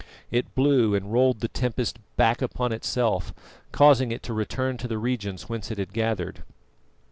It blew and rolled the tempest back upon itself, causing it to return to the regions whence it had gathered.